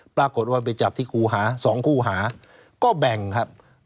ปรากฏว่าไปจับที่ครูหา๒คู่หาก็แบ่งครับ